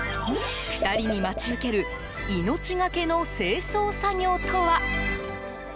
２人に待ち受ける命懸けの清掃作業とは。